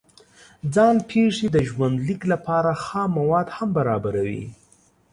ځان پېښې د ژوند لیک لپاره خام مواد هم برابروي.